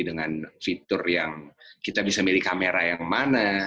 dengan fitur yang kita bisa milih kamera yang mana